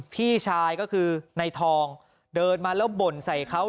พี่ชายก็คือในทองเดินมาแล้วบ่นใส่เขา